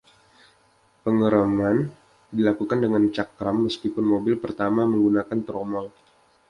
Pengereman dilakukan dengan cakram, meskipun mobil pertama menggunakan tromol.